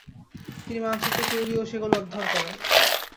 তিনি মানচিত্র তৈরি ও সেগুলো অধ্যয়ন করেন।